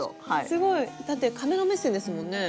すごい！だってカメラ目線ですもんね。